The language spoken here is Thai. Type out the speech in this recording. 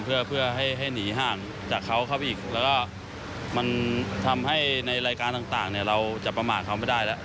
เพื่อให้หนีห่างจากเขาเข้าไปอีกแล้วก็มันทำให้ในรายการต่างเนี่ยเราจะประมาทเขาไม่ได้แล้ว